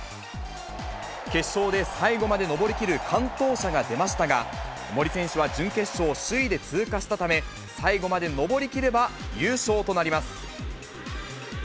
決勝で最後まで登り切る完登者が出ましたが、森選手は準決勝を首位で通過したため、最後まで登り切れば優勝となります。